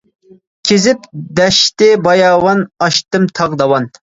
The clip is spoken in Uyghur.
كېزىپ دەشتى باياۋان، ئاشتىم تاغ داۋان.